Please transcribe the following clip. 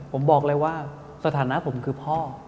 ผมบอกเลยว่าสถานะผมคือพ่อ